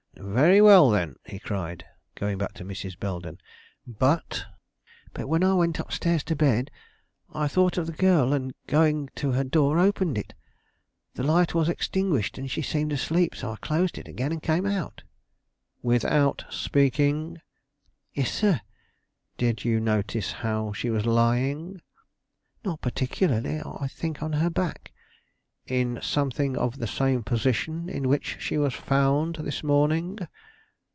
"Very well, then," he cried, going back to Mrs. Belden. "But " "But when I went up stairs to bed, I thought of the girl, and going to her door opened it. The light was extinguished, and she seemed asleep, so I closed it again and came out." "Without speaking?" "Yes, sir." "Did you notice how she was lying?" "Not particularly. I think on her back." "In something of the same position in which she was found this morning?"